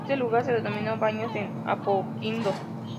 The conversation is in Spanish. Este lugar se denominó Baños de Apoquindo.